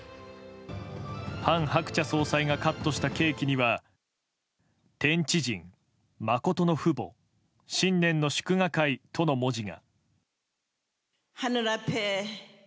韓鶴子総裁がカットしたケーキには「天地人真の父母」「新年の祝賀会」との文字が。